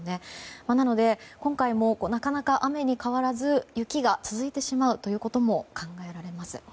なので、今回もなかなか雨に変わらず雪が続いてしまうことも考えられます。